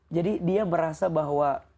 jadi dia merasa bahwa